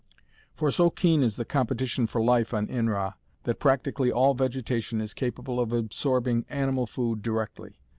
For so keen is the competition for life on Inra that practically all vegetation is capable of absorbing animal food directly.